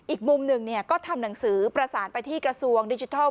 อีกมุมหนึ่งก็ทำหนังสือประสานไปที่กระทรวงดิจิทัล